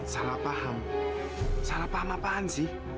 salah paham salah paham apaan sih